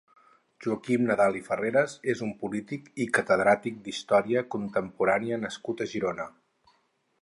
Joaquim Nadal i Farreras és un polític i catedràtic d'història contemporània nascut a Girona.